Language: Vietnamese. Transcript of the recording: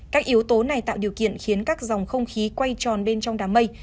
các yếu tố này tạo điều kiện khiến các dòng không khí quay tròn bên trong đám mây